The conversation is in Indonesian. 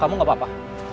kamu gak apa apa